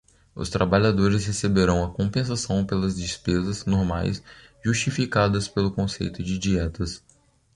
Os trabalhadores receberão a compensação pelas despesas normais justificadas pelo conceito de dietas.